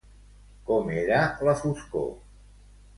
Com era la foscor?